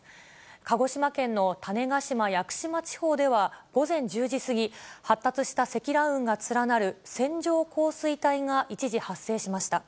鹿児島県の種子島・屋久島地方では、午前１０時過ぎ、発達した積乱雲が連なる線状降水帯が一時発生しました。